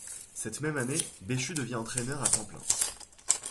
Cette même année, Béchu devient entraîneur à temps plein.